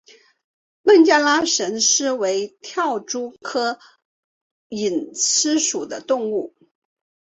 孟加拉蝇狮为跳蛛科蝇狮属的动物。